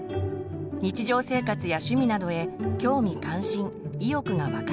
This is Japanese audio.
日常生活や趣味などへ興味関心・意欲がわかない。